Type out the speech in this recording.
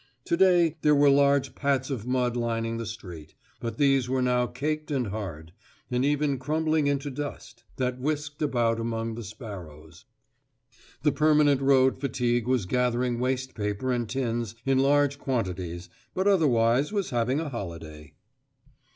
To day there were large pats of mud lining the street, but these were now caked and hard, and even crumbling into dust, that whisked about among the sparrows. The permanent road fatigue was gathering waste paper and tins in large quantities, but otherwise was having a holiday.